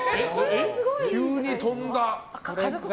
急に飛んだ。